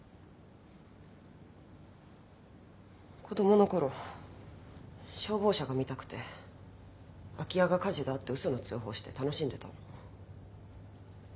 子供のころ消防車が見たくて空き家が火事だって嘘の通報して楽しんでたの。